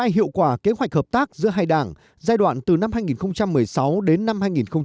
hai hiệu quả kế hoạch hợp tác giữa hai đảng giai đoạn từ năm hai nghìn một mươi sáu đến năm hai nghìn hai mươi